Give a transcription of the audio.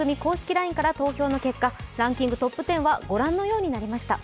ＬＩＮＥから投票の結果トップ１０はご覧のようになりました。